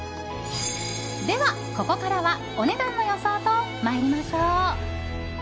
では、ここからはお値段の予想と参りましょう。